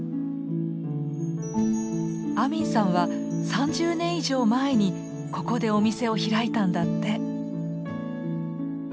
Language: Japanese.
アミンさんは３０年以上前にここでお店を開いたんだって。